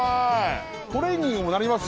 トレーニングにもなります？